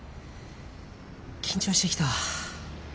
緊張してきた。